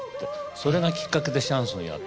それがきっかけでシャンソンやる